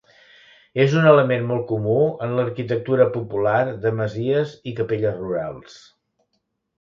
És un element molt comú en l'arquitectura popular de masies i capelles rurals.